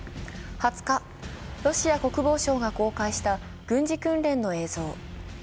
２０日、ロシア国防省が公開した軍事訓練の映像。